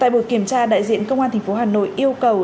tại buổi kiểm tra đại diện công an tp hà nội yêu cầu